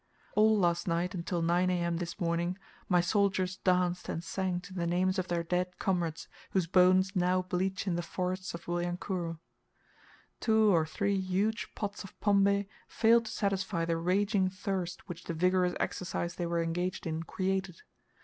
All last night, until nine A.M. this morning, my soldiers danced and sang to the names of their dead comrades, whose bones now bleach in the forests of Wilyankuru. Two or three huge pots of pombe failed to satisfy the raging thirst which the vigorous exercise they were engaged in, created.